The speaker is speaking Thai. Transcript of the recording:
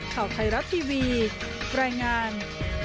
ข่าวไทยรัฐทีวีรายงาน